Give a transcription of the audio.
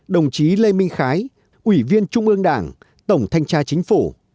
đồng chí lê minh khái ủy viên trung ương đảng tổng thanh tra chính phủ